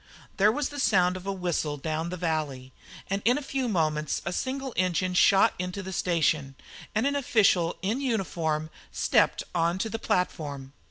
There was the sound of a whistle down the valley, and in a few moments a single engine shot into the station, and an official in uniform stepped on to the platform.